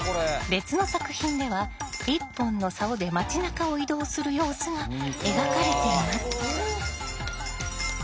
別の作品では１本のさおで町なかを移動する様子が描かれています。